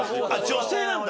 女性なんだ。